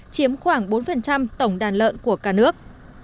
chiếm khoảng bốn tổng đàn lợn của cả nước